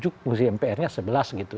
kursi mprnya sebelas gitu